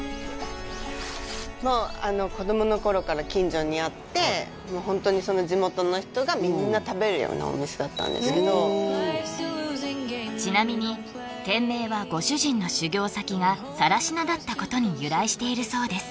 もう子供の頃から近所にあってもうホントに地元の人がみんな食べるようなお店だったんですけどちなみに店名はご主人の修業先が更科だったことに由来しているそうです